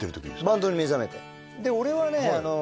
バンドに目覚めてで俺はね